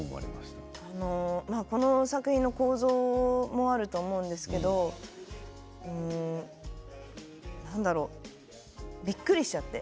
この作品の構造もあると思うんですけれどびっくりしちゃって。